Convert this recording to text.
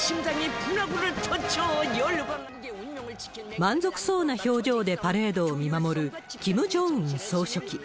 満足そうな表情でパレードを見守る、キム・ジョンウン総書記。